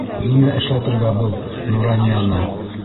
Нимә эшләтергә был Нуранияны?